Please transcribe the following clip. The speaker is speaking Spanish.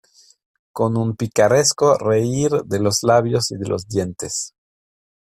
con un picaresco reír de los labios y de los dientes.